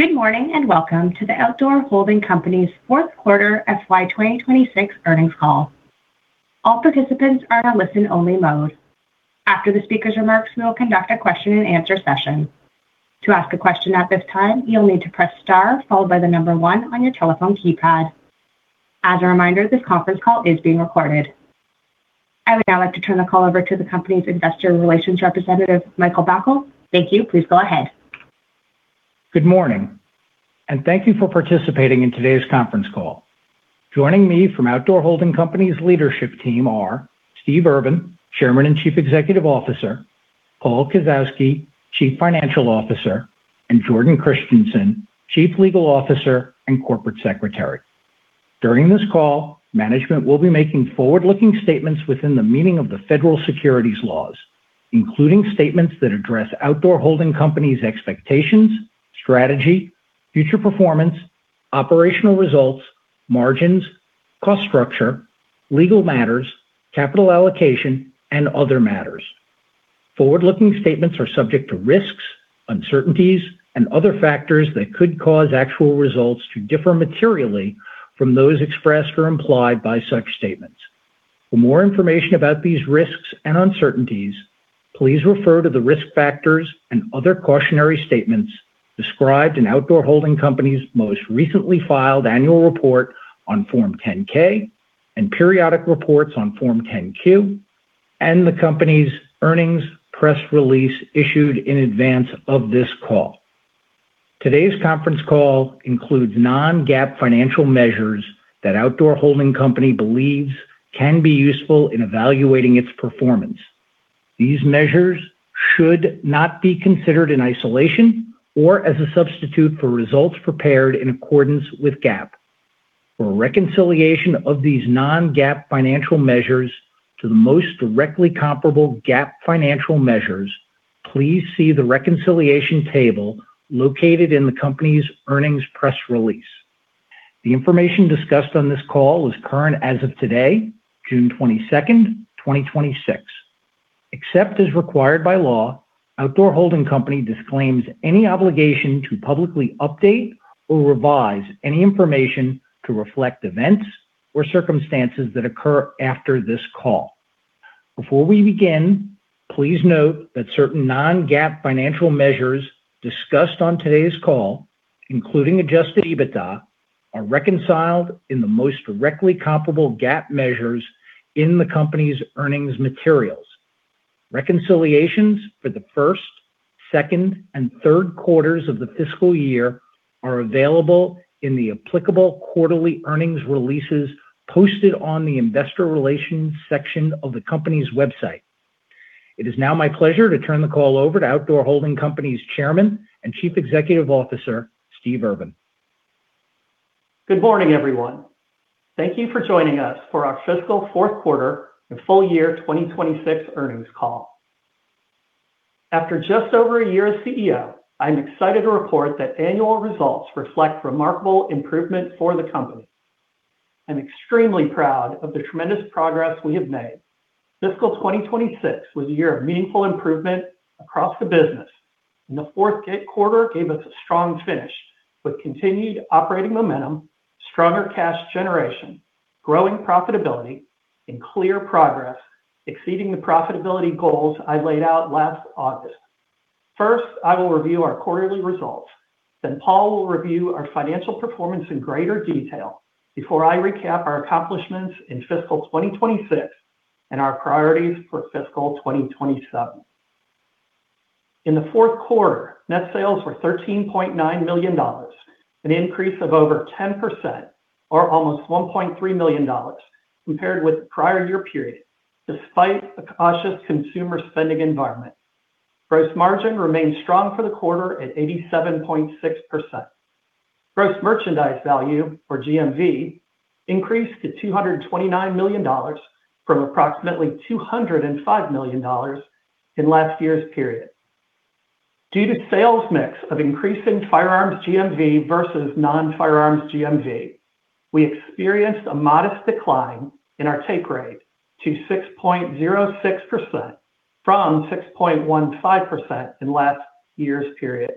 Good morning. Welcome to the Outdoor Holding Company's fourth quarter FY 2026 earnings call. All participants are in listen-only mode. After the speaker's remarks, we will conduct a question-and-answer session. To ask a question at this time, you will need to press star followed by the number one on your telephone keypad. As a reminder, this conference call is being recorded. I would now like to turn the call over to the company's investor relations representative, Michael Bacal. Thank you. Please go ahead. Good morning. Thank you for participating in today's conference call. Joining me from Outdoor Holding Company's leadership team are Steve Urvan, Chairman and Chief Executive Officer, Paul Kasowski, Chief Financial Officer, and Jordan Christensen, Chief Legal Officer and Corporate Secretary. During this call, management will be making forward-looking statements within the meaning of the federal securities laws, including statements that address Outdoor Holding Company's expectations, strategy, future performance, operational results, margins, cost structure, legal matters, capital allocation, and other matters. Forward-looking statements are subject to risks, uncertainties, and other factors that could cause actual results to differ materially from those expressed or implied by such statements. For more information about these risks and uncertainties, please refer to the risk factors and other cautionary statements described in Outdoor Holding Company's most recently filed annual report on Form 10-K and periodic reports on Form 10-Q and the company's earnings press release issued in advance of this call. Today's conference call includes non-GAAP financial measures that Outdoor Holding Company believes can be useful in evaluating its performance. These measures should not be considered in isolation or as a substitute for results prepared in accordance with GAAP. For a reconciliation of these non-GAAP financial measures to the most directly comparable GAAP financial measures, please see the reconciliation table located in the company's earnings press release. The information discussed on this call is current as of today, June 22, 2026. Except as required by law, Outdoor Holding Company disclaims any obligation to publicly update or revise any information to reflect events or circumstances that occur after this call. Before we begin, please note that certain non-GAAP financial measures discussed on today's call, including adjusted EBITDA, are reconciled in the most directly comparable GAAP measures in the company's earnings materials. Reconciliations for the first, second, and third quarters of the fiscal year are available in the applicable quarterly earnings releases posted on the investor relations section of the company's website. It is now my pleasure to turn the call over to Outdoor Holding Company's Chairman and Chief Executive Officer, Steve Urvan. Good morning, everyone. Thank you for joining us for our fiscal fourth quarter and full year 2026 earnings call. After just over a year as CEO, I'm excited to report that annual results reflect remarkable improvement for the company. I'm extremely proud of the tremendous progress we have made. Fiscal 2026 was a year of meaningful improvement across the business. The fourth quarter gave us a strong finish with continued operating momentum, stronger cash generation, growing profitability, and clear progress exceeding the profitability goals I laid out last August. First, I will review our quarterly results. Paul will review our financial performance in greater detail before I recap our accomplishments in fiscal 2026 and our priorities for fiscal 2027. In the fourth quarter, net sales were $13.9 million, an increase of over 10%, or almost $1.3 million compared with the prior year period, despite a cautious consumer spending environment. Gross margin remained strong for the quarter at 87.6%. Gross merchandise value, or GMV, increased to $229 million from approximately $205 million in last year's period. Due to sales mix of increasing firearms GMV versus non-firearms GMV, we experienced a modest decline in our take rate to 6.06% from 6.15% in last year's period.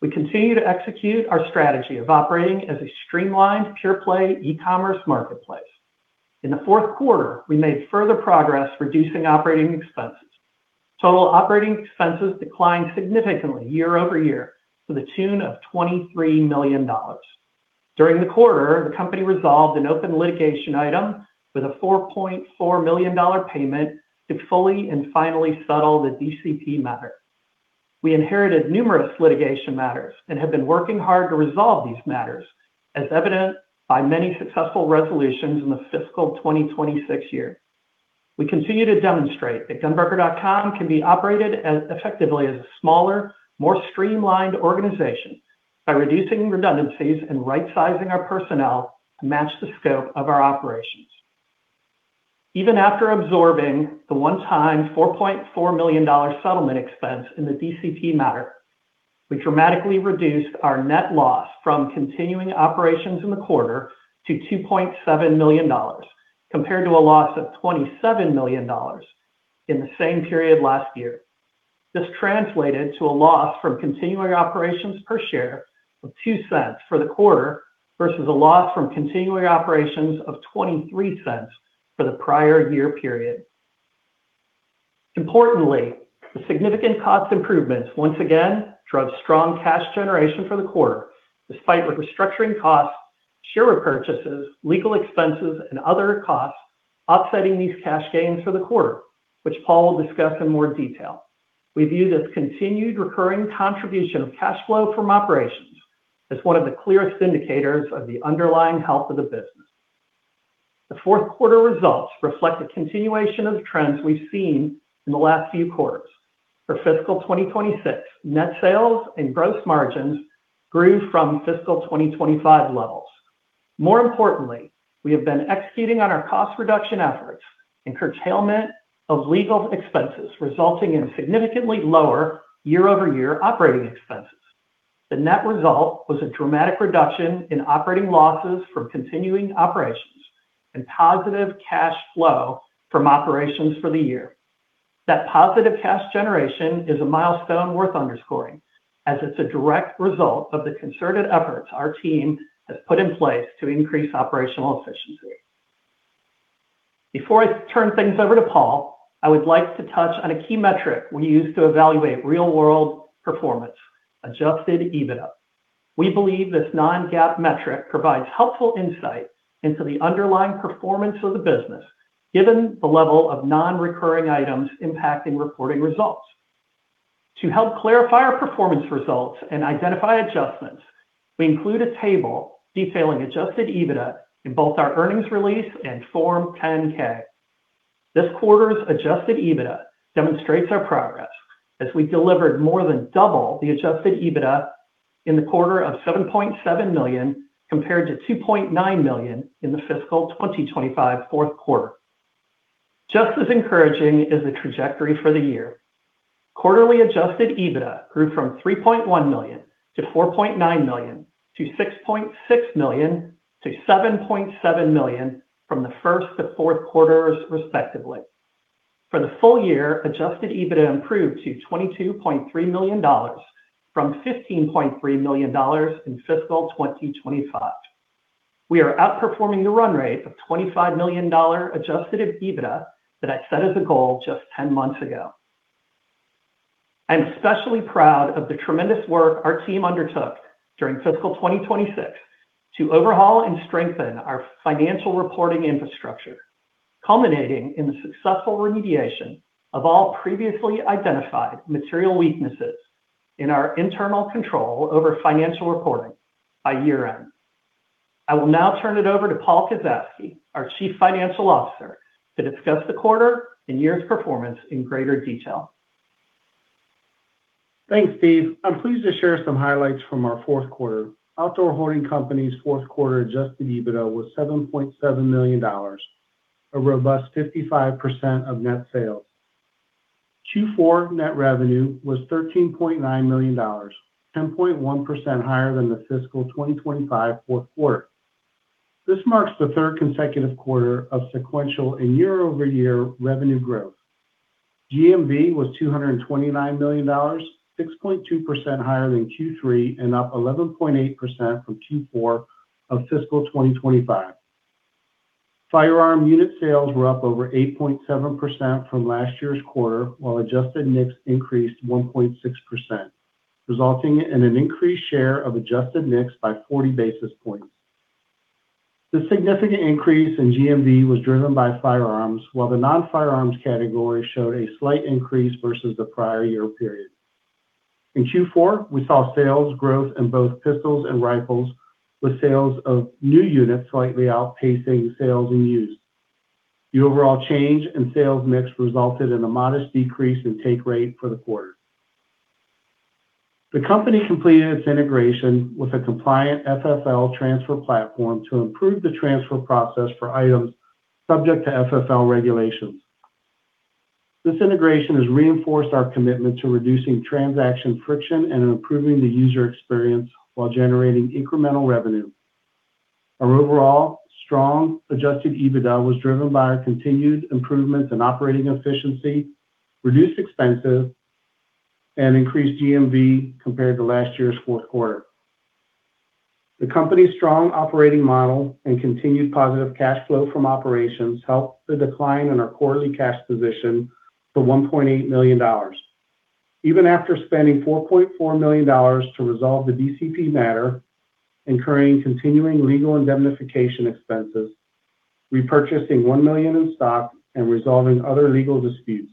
We continue to execute our strategy of operating as a streamlined, pure-play e-commerce marketplace. In the fourth quarter, we made further progress reducing operating expenses. Total operating expenses declined significantly year-over-year to the tune of $23 million. During the quarter, the company resolved an open litigation item with a $4.4 million payment to fully and finally settle the DCP matter. We inherited numerous litigation matters and have been working hard to resolve these matters, as evident by many successful resolutions in the fiscal 2026 year. We continue to demonstrate that GunBroker.com can be operated as effectively as a smaller, more streamlined organization by reducing redundancies and right-sizing our personnel to match the scope of our operations. Even after absorbing the one-time $4.4 million settlement expense in the DCP matter, we dramatically reduced our net loss from continuing operations in the quarter to $2.7 million, compared to a loss of $27 million in the same period last year. This translated to a loss from continuing operations per share of $0.02 for the quarter versus a loss from continuing operations of $0.23 for the prior year period. Importantly, the significant cost improvements once again drove strong cash generation for the quarter, despite the restructuring costs, share repurchases, legal expenses, and other costs offsetting these cash gains for the quarter, which Paul will discuss in more detail. We view this continued recurring contribution of cash flow from operations as one of the clearest indicators of the underlying health of the business. The fourth quarter results reflect a continuation of trends we've seen in the last few quarters. For fiscal 2026, net sales and gross margins grew from fiscal 2025 levels. More importantly, we have been executing on our cost reduction efforts and curtailment of legal expenses, resulting in significantly lower year-over-year operating expenses. The net result was a dramatic reduction in operating losses from continuing operations and positive cash flow from operations for the year. That positive cash generation is a milestone worth underscoring, as it's a direct result of the concerted efforts our team has put in place to increase operational efficiency. Before I turn things over to Paul, I would like to touch on a key metric we use to evaluate real-world performance: adjusted EBITDA. We believe this non-GAAP metric provides helpful insight into the underlying performance of the business, given the level of non-recurring items impacting reporting results. To help clarify our performance results and identify adjustments, we include a table detailing adjusted EBITDA in both our earnings release and Form 10-K. This quarter's adjusted EBITDA demonstrates our progress as we delivered more than double the adjusted EBITDA in the quarter of $7.7 million, compared to $2.9 million in the fiscal 2025 fourth quarter. Just as encouraging is the trajectory for the year. Quarterly adjusted EBITDA grew from $3.1 million to $4.9 million, to $6.6 million, to $7.7 million from the first to fourth quarters respectively. For the full year, adjusted EBITDA improved to $22.3 million from $15.3 million in fiscal 2025. We are outperforming the run rate of $25 million adjusted EBITDA that I set as a goal just 10 months ago. I'm especially proud of the tremendous work our team undertook during fiscal 2026 to overhaul and strengthen our financial reporting infrastructure, culminating in the successful remediation of all previously identified material weaknesses in our internal control over financial reporting by year-end. I will now turn it over to Paul Kasowski, our Chief Financial Officer, to discuss the quarter and year's performance in greater detail. Thanks, Steve. I'm pleased to share some highlights from our fourth quarter. Outdoor Holding Company's fourth quarter adjusted EBITDA was $7.7 million, a robust 55% of net sales. Q4 net revenue was $13.9 million, 10.1% higher than the fiscal 2025 fourth quarter. This marks the third consecutive quarter of sequential and year-over-year revenue growth. GMV was $229 million, 6.2% higher than Q3 and up 11.8% from Q4 of fiscal 2025. Firearm unit sales were up over 8.7% from last year's quarter, while adjusted NICS increased 1.6%, resulting in an increased share of adjusted NICS by 40 basis points. The significant increase in GMV was driven by firearms, while the non-firearms category showed a slight increase versus the prior year period. In Q4, we saw sales growth in both pistols and rifles, with sales of new units slightly outpacing sales in used. The overall change in sales mix resulted in a modest decrease in take rate for the quarter. The company completed its integration with a compliant FFL transfer platform to improve the transfer process for items subject to FFL regulations. This integration has reinforced our commitment to reducing transaction friction and improving the user experience while generating incremental revenue. Our overall strong adjusted EBITDA was driven by our continued improvements in operating efficiency, reduced expenses, and increased GMV compared to last year's fourth quarter. The company's strong operating model and continued positive cash flow from operations helped the decline in our quarterly cash position to $1.8 million. Even after spending $4.4 million to resolve the DCP matter, incurring continuing legal indemnification expenses, repurchasing $1 million in stock, and resolving other legal disputes.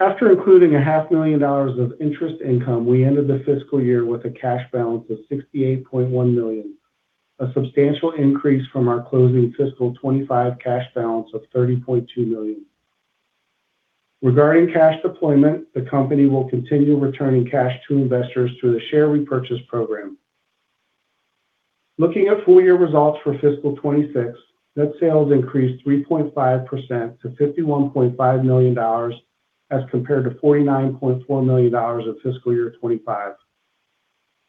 After including a half million dollars of interest income, we ended the fiscal year with a cash balance of $68.1 million, a substantial increase from our closing fiscal 2025 cash balance of $30.2 million. Regarding cash deployment, the company will continue returning cash to investors through the share repurchase program. Looking at full-year results for fiscal 2026, net sales increased 3.5% to $51.5 million as compared to $49.4 million in fiscal year 2025.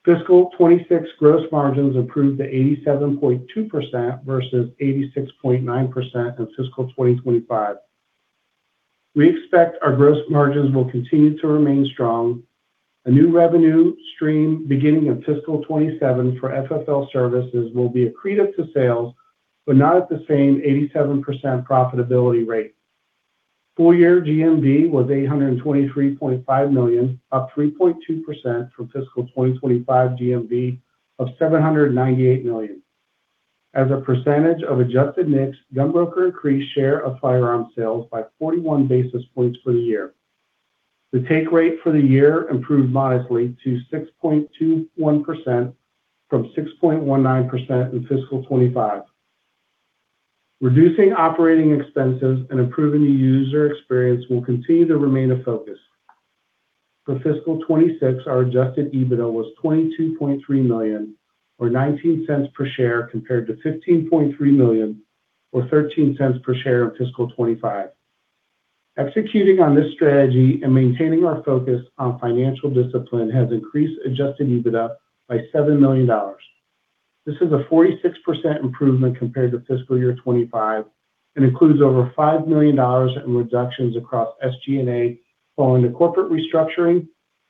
Fiscal 2026 gross margins improved to 87.2% versus 86.9% in fiscal 2025. We expect our gross margins will continue to remain strong. A new revenue stream beginning in fiscal 2027 for FFL services will be accretive to sales, but not at the same 87% profitability rate. Full year GMV was $823.5 million, up 3.2% from fiscal 2025 GMV of $798 million. As a percentage of adjusted mix, GunBroker increased share of firearm sales by 41 basis points for the year. The take rate for the year improved modestly to 6.21% from 6.19% in fiscal 2025. Reducing operating expenses and improving the user experience will continue to remain a focus. For fiscal 2026, our adjusted EBITDA was $22.3 million or $0.19 per share, compared to $15.3 million or $0.13 per share in fiscal 2025. Executing on this strategy and maintaining our focus on financial discipline has increased adjusted EBITDA by $7 million. This is a 46% improvement compared to fiscal year 2025 and includes over $5 million in reductions across SG&A following the corporate restructuring,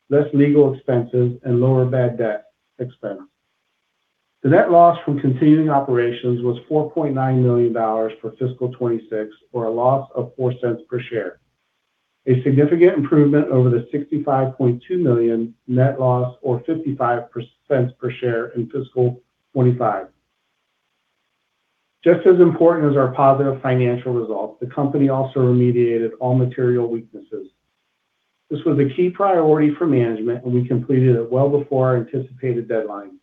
less legal expenses, and lower bad debt expense. The net loss from continuing operations was $4.9 million for fiscal 2026, or a loss of $0.04 per share. A significant improvement over the $65.2 million net loss or $0.55 per share in fiscal 2025. Just as important as our positive financial results, the company also remediated all material weaknesses. This was a key priority for management, and we completed it well before our anticipated deadline.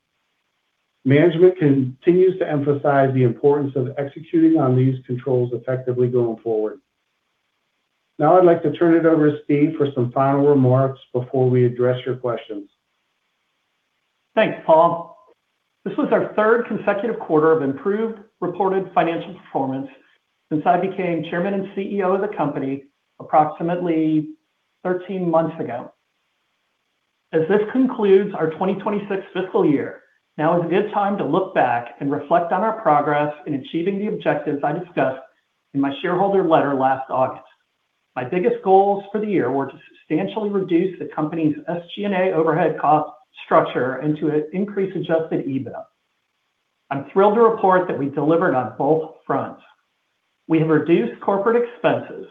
Management continues to emphasize the importance of executing on these controls effectively going forward. Now, I'd like to turn it over to Steve for some final remarks before we address your questions. Thanks, Paul. This was our third consecutive quarter of improved reported financial performance since I became chairman and CEO of the company approximately 13 months ago. As this concludes our 2026 fiscal year, now is a good time to look back and reflect on our progress in achieving the objectives I discussed in my shareholder letter last August. My biggest goals for the year were to substantially reduce the company's SG&A overhead cost structure and to increase adjusted EBITDA. I'm thrilled to report that we delivered on both fronts. We have reduced corporate expenses,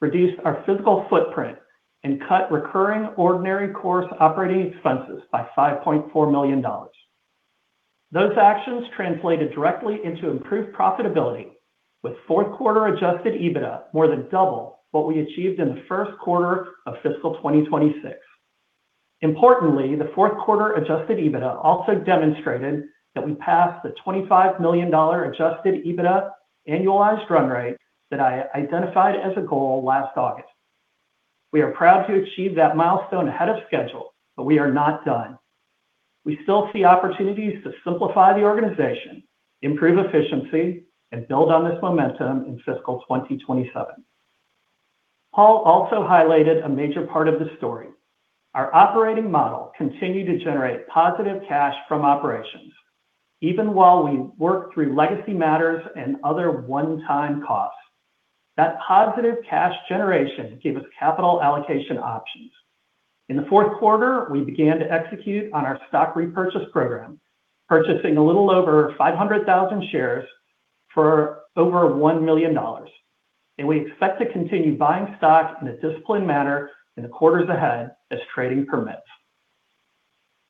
reduced our physical footprint, and cut recurring ordinary course operating expenses by $5.4 million. Those actions translated directly into improved profitability, with fourth quarter adjusted EBITDA more than double what we achieved in the first quarter of fiscal 2026. Importantly, the fourth quarter adjusted EBITDA also demonstrated that we passed the $25 million adjusted EBITDA annualized run rate that I identified as a goal last August. We are proud to achieve that milestone ahead of schedule, but we are not done. We still see opportunities to simplify the organization, improve efficiency, and build on this momentum in fiscal 2027. Paul also highlighted a major part of the story. Our operating model continued to generate positive cash from operations, even while we work through legacy matters and other one-time costs. That positive cash generation gave us capital allocation options. In the fourth quarter, we began to execute on our stock repurchase program, purchasing a little over 500,000 shares for over $1 million. We expect to continue buying stock in a disciplined manner in the quarters ahead as trading permits.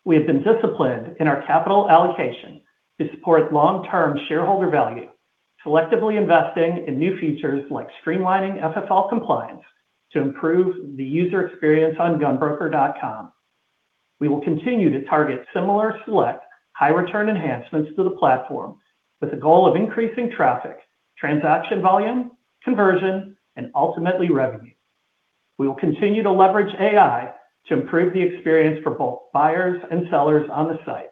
We have been disciplined in our capital allocation to support long-term shareholder value, selectively investing in new features like streamlining FFL compliance to improve the user experience on Gunbroker.com. We will continue to target similar select high-return enhancements to the platform with the goal of increasing traffic, transaction volume, conversion, and ultimately revenue. We will continue to leverage AI to improve the experience for both buyers and sellers on the site.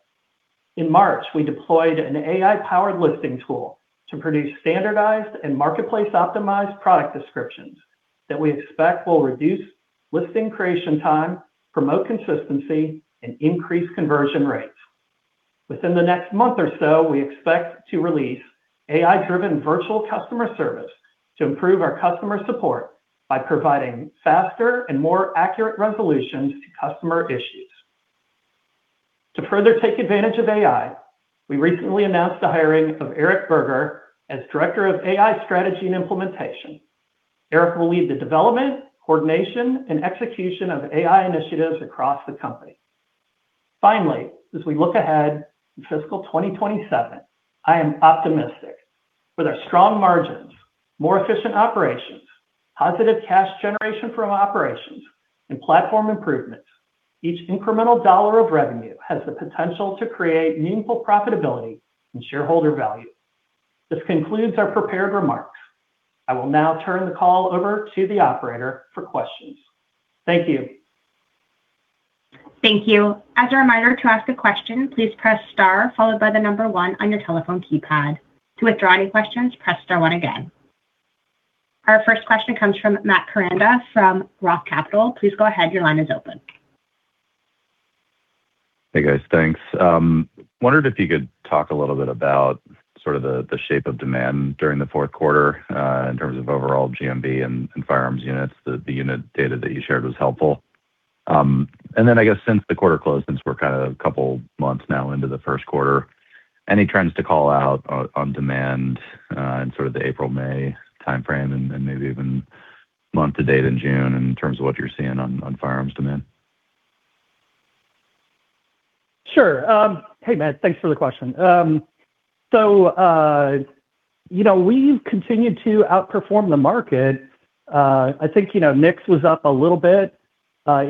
In March, we deployed an AI-powered listing tool to produce standardized and marketplace-optimized product descriptions that we expect will reduce listing creation time, promote consistency, and increase conversion rates. Within the next month or so, we expect to release AI-driven virtual customer service to improve our customer support by providing faster and more accurate resolutions to customer issues. To further take advantage of AI, we recently announced the hiring of Erich Buerger as Director of AI Strategy and Implementation. Erich will lead the development, coordination, and execution of AI initiatives across the company. Finally, as we look ahead to fiscal 2027, I am optimistic. With our strong margins, more efficient operations, positive cash generation from operations, and platform improvements, each incremental dollar of revenue has the potential to create meaningful profitability and shareholder value. This concludes our prepared remarks. I will now turn the call over to the operator for questions. Thank you. Thank you. As a reminder to ask a question, please press star followed by the number one on your telephone keypad. To withdraw any questions, press star one again. Our first question comes from Matt Koranda from Roth Capital. Please go ahead, your line is open. Hey, guys. Thanks. Wondered if you could talk a little bit about the shape of demand during the fourth quarter, in terms of overall GMV and firearms units. The unit data that you shared was helpful. Then, I guess since the quarter closed, since we're a couple months now into the first quarter, any trends to call out on demand in the April, May timeframe, and maybe even month-to-date in June in terms of what you're seeing on firearms demand? Sure. Hey, Matt. Thanks for the question. We've continued to outperform the market. I think NICS was up a little bit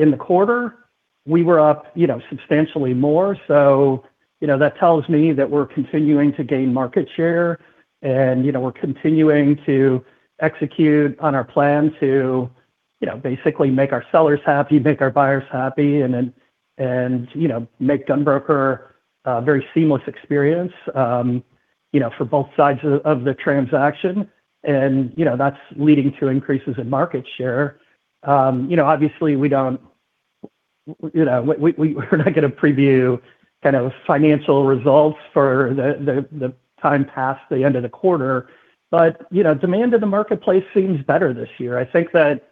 in the quarter. We were up substantially more. That tells me that we're continuing to gain market share and we're continuing to execute on our plan to basically make our sellers happy, make our buyers happy, and then make GunBroker a very seamless experience for both sides of the transaction. That's leading to increases in market share. Obviously, we're not going to preview financial results for the time past the end of the quarter, demand in the marketplace seems better this year. I think that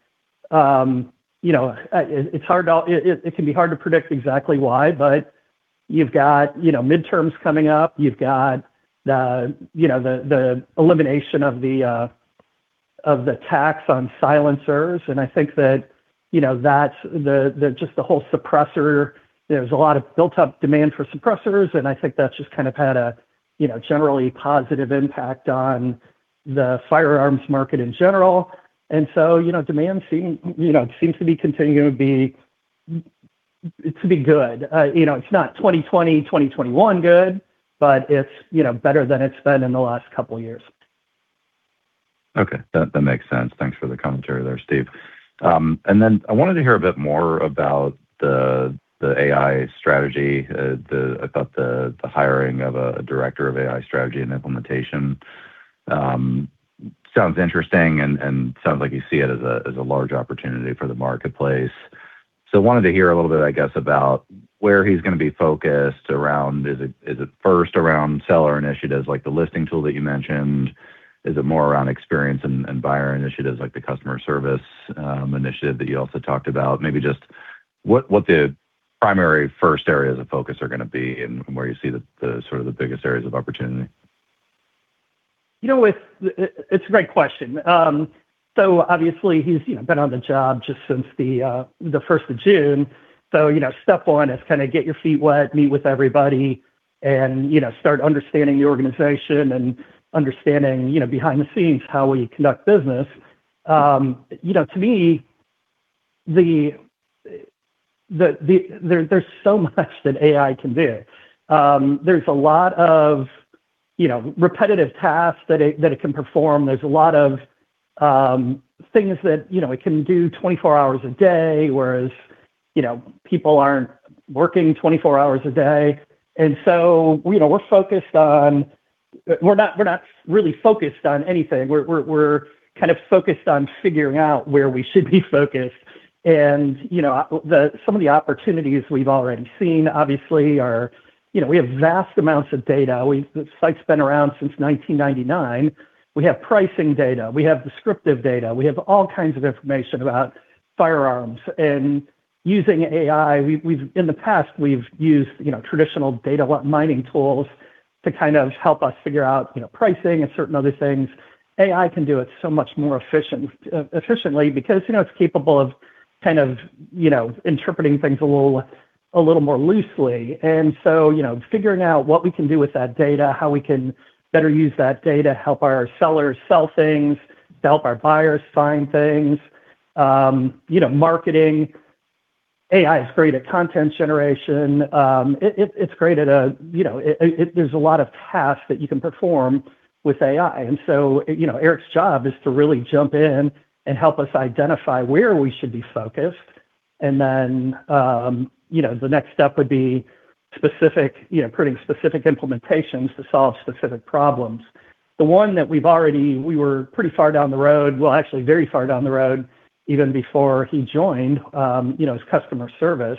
it can be hard to predict exactly why, but you've got midterms coming up, you've got the elimination of the tax on silencers, and I think that there's a lot of built-up demand for suppressors, and I think that's just had a generally positive impact on the firearms market in general. Demand seems to be continuing to be good. It's not 2020, 2021 good, but it's better than it's been in the last couple of years. Okay. That makes sense. Thanks for the commentary there, Steve. I wanted to hear a bit more about the AI strategy. I thought the hiring of a Director of AI Strategy and Implementation sounds interesting, and sounds like you see it as a large opportunity for the marketplace. Wanted to hear a little bit, I guess, about where he's going to be focused around. Is it first around seller initiatives, like the listing tool that you mentioned? Is it more around experience and buyer initiatives like the customer service initiative that you also talked about? Maybe just what the primary first areas of focus are going to be and where you see the biggest areas of opportunity? It's a great question. Obviously, he's been on the job just since the 1st of June. So, step one is get your feet wet, meet with everybody, and start understanding the organization, and understanding behind the scenes how we conduct business. To me, there's so much that AI can do. There's a lot of repetitive tasks that it can perform, there's a lot of things that it can do 24 hours a day, whereas people aren't working 24 hours a day. We're not really focused on anything. We're focused on figuring out where we should be focused. Some of the opportunities we've already seen, obviously, are we have vast amounts of data. The site's been around since 1999. We have pricing data, we have descriptive data. We have all kinds of information about firearms. Using AI, in the past, we've used traditional data mining tools to help us figure out pricing and certain other things. AI can do it so much more efficiently because it's capable of interpreting things a little more loosely. Figuring out what we can do with that data, how we can better use that data, help our sellers sell things, help our buyers find things. Marketing. AI is great at content generation. There's a lot of tasks that you can perform with AI. Erich's job is to really jump in and help us identify where we should be focused, and then the next step would be creating specific implementations to solve specific problems. The one that we were pretty far down the road, well, actually very far down the road even before he joined, is customer service.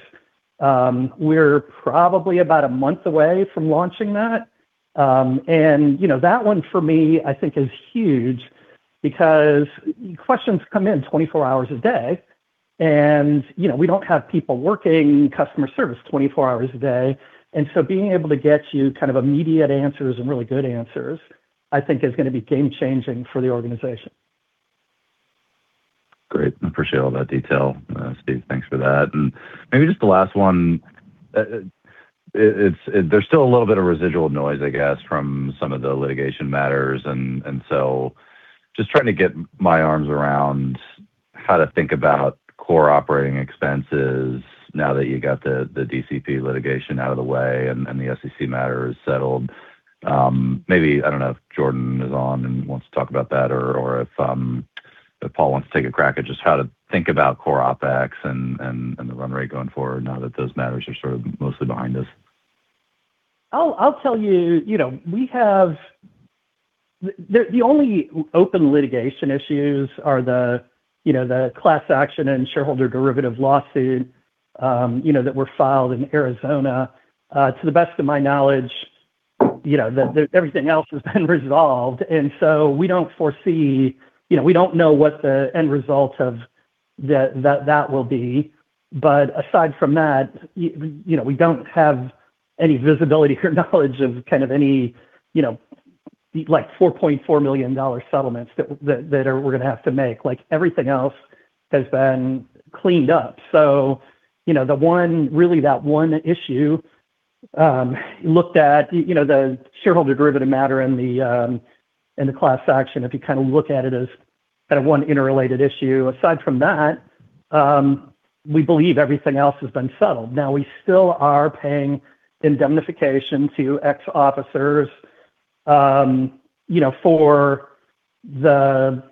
We're probably about a month away from launching that. That one for me, I think is huge because questions come in 24 hours a day, and we don't have people working customer service 24 hours a day. Being able to get you immediate answers and really good answers, I think is going to be game-changing for the organization. Great. I appreciate all that detail, Steve. Thanks for that. Maybe just the last one. There's still a little bit of residual noise, I guess, from some of the litigation matters, just trying to get my arms around how to think about core operating expenses now that you got the DCP litigation out of the way and the SEC matter is settled. I don't know if Jordan is on and wants to talk about that, or if Paul wants to take a crack at just how to think about core OpEx and the run rate going forward now that those matters are mostly behind us. I'll tell you, the only open litigation issues are the class action and shareholder derivative lawsuit that were filed in Arizona. To the best of my knowledge, everything else has been resolved. We don't know what the end result of that will be. Aside from that, we don't have any visibility or knowledge of any $4.4 million settlements that we're going to have to make. Everything else has been cleaned up. Really that one issue looked at, the shareholder derivative matter and the class action, if you look at it as one interrelated issue. Aside from that, we believe everything else has been settled. Now, we still are paying indemnification to ex-officers for the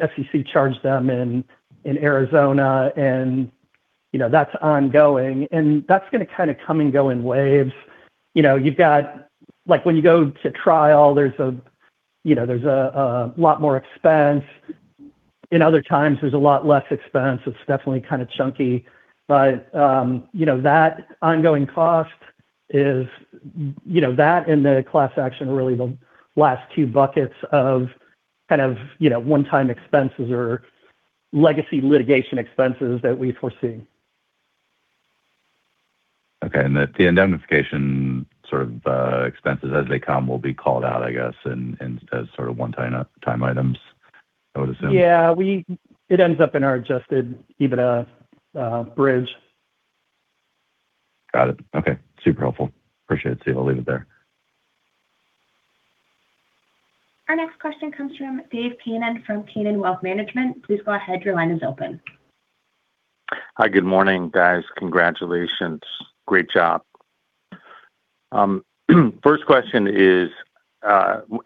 SEC charge them in Arizona, and that's ongoing. That's going to come and go in waves. When you go to trial, there's a lot more expense. In other times, there's a lot less expense. It's definitely kind of chunky. That ongoing cost, that and the class action are really the last two buckets of one-time expenses or legacy litigation expenses that we foresee. Okay. The indemnification sort of expenses as they come will be called out, I guess, as sort of one-time items, I would assume. Yeah. It ends up in our adjusted EBITDA bridge. Got it. Okay. Super helpful. Appreciate it, Steve. I'll leave it there. Our next question comes from Dave Kanen from Kanen Wealth Management. Please go ahead. Your line is open. Hi. Good morning, guys. Congratulations. Great job. First question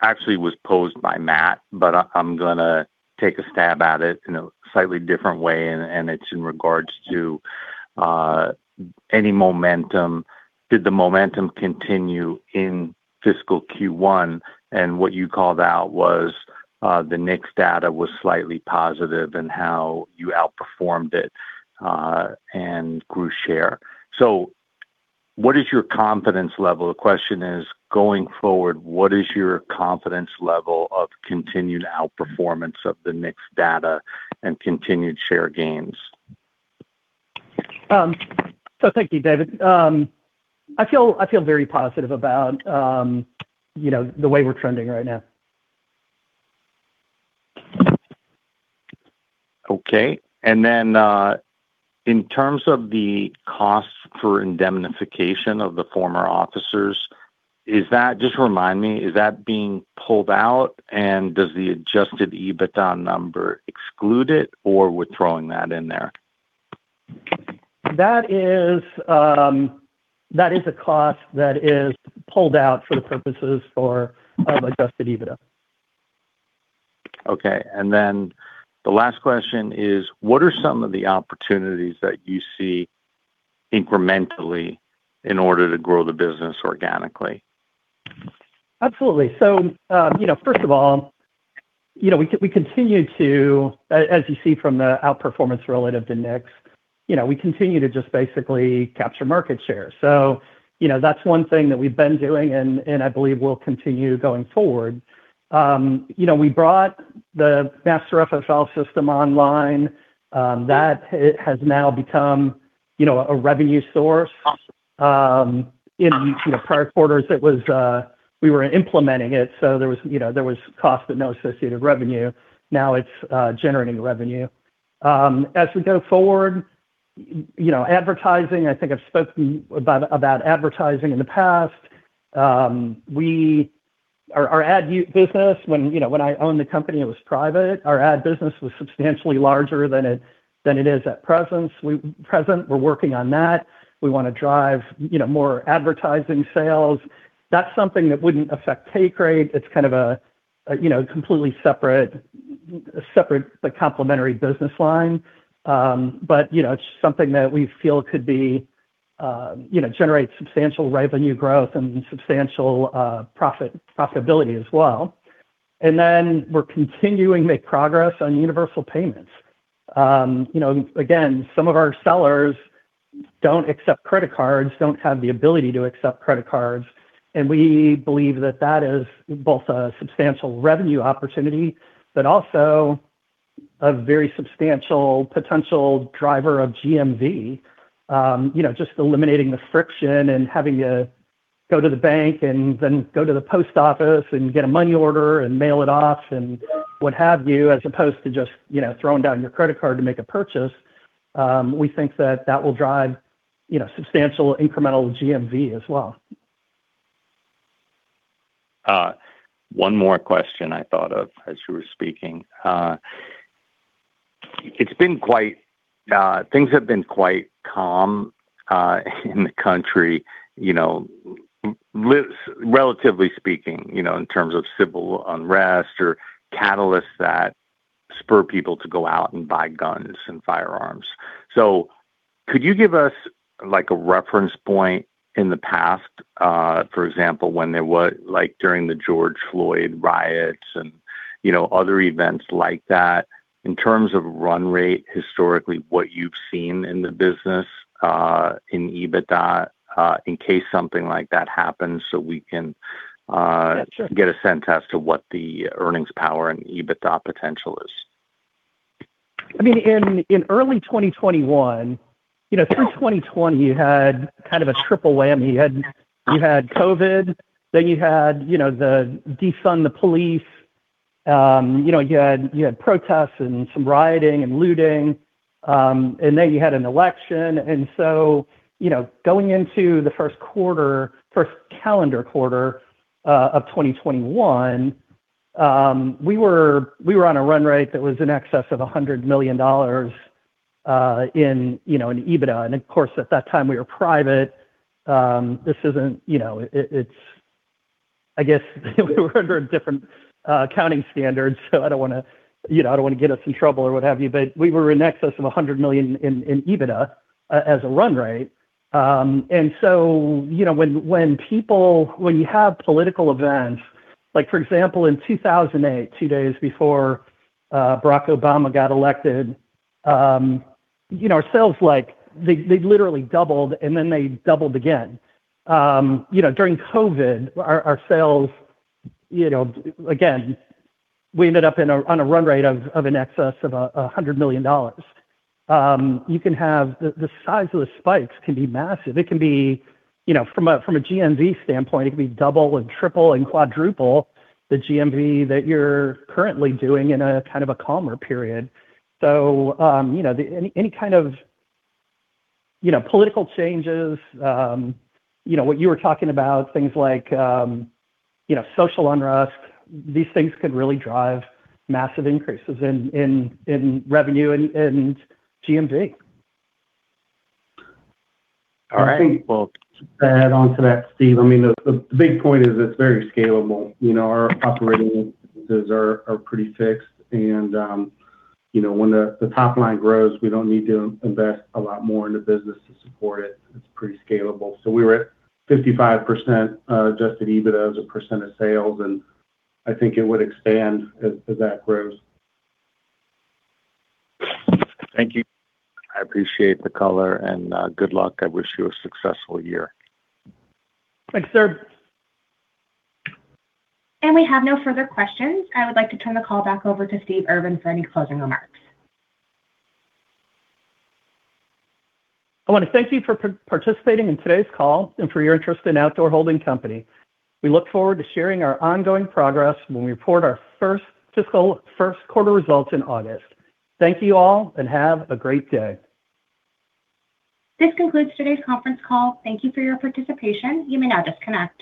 actually was posed by Matt, but I'm going to take a stab at it in a slightly different way, and it's in regards to any momentum. Did the momentum continue in fiscal Q1? What you called out was the NICS data was slightly positive in how you outperformed it and grew share. What is your confidence level? The question is, going forward, what is your confidence level of continued outperformance of the NICS data and continued share gains? Thank you, Dave. I feel very positive about the way we're trending right now. Okay. In terms of the costs for indemnification of the former officers, just remind me, is that being pulled out? Does the adjusted EBITDA number exclude it, or we're throwing that in there? That is a cost that is pulled out for the purposes of adjusted EBITDA. Okay. The last question is, what are some of the opportunities that you see incrementally in order to grow the business organically? Absolutely. First of all, as you see from the outperformance relative to NICS, we continue to just basically capture market share. That's one thing that we've been doing, and I believe we'll continue going forward. We brought the Master FFL system online. That has now become a revenue source. In prior quarters, we were implementing it, so there was cost but no associated revenue. Now it's generating revenue. As we go forward, advertising, I think I've spoken about advertising in the past. Our ad business, when I owned the company, it was private. Our ad business was substantially larger than it is at present. We're working on that. We want to drive more advertising sales. That's something that wouldn't affect take rate. It's kind of a completely separate but complementary business line. It's something that we feel could generate substantial revenue growth and substantial profitability as well. We're continuing to make progress on universal payments. Again, some of our sellers don't accept credit cards, don't have the ability to accept credit cards, and we believe that that is both a substantial revenue opportunity, but also a very substantial potential driver of GMV. Just eliminating the friction and having to go to the bank and then go to the post office and get a money order and mail it off and what have you, as opposed to just throwing down your credit card to make a purchase. We think that that will drive substantial incremental GMV as well. One more question I thought of as you were speaking. Things have been quite calm in the country, relatively speaking, in terms of civil unrest or catalysts that spur people to go out and buy guns and firearms. Could you give us a reference point in the past, for example, when there was, like during the George Floyd riots and other events like that, in terms of run rate, historically, what you've seen in the business, in EBITDA, in case something like that happens. Yeah, sure. get a sense as to what the earnings power and EBITDA potential is. In early 2021, through 2020, you had kind of a triple whammy. You had COVID. You had the Defund the Police. You had protests and some rioting and looting. You had an election. Going into the first calendar quarter of 2021, we were on a run rate that was in excess of $100 million in EBITDA. Of course, at that time we were private. I guess we were under a different accounting standard, so I don't want to get us in trouble or what have you, but we were in excess of $100 million in EBITDA as a run rate. When you have political events, like for example, in 2008, two days before Barack Obama got elected, our sales, they literally doubled, and then they doubled again. During COVID, our sales, again, we ended up on a run rate of an excess of $100 million. The size of the spikes can be massive. From a GMV standpoint, it can be double and triple and quadruple the GMV that you're currently doing in a calmer period. Any kind of political changes, what you were talking about, things like social unrest, these things could really drive massive increases in revenue and GMV. All right. I think we'll add onto that, Steve. The big point is it's very scalable. Our operating expenses are pretty fixed and when the top line grows, we don't need to invest a lot more in the business to support it. It's pretty scalable. We were at 55% adjusted EBITDA as a percent of sales, I think it would expand as that grows. Thank you. I appreciate the color, and good luck. I wish you a successful year. Thanks, sir. We have no further questions. I would like to turn the call back over to Steve Urvan for any closing remarks. I want to thank you for participating in today's call and for your interest in Outdoor Holding Company. We look forward to sharing our ongoing progress when we report our first fiscal first-quarter results in August. Thank you all, and have a great day. This concludes today's conference call. Thank you for your participation. You may now disconnect.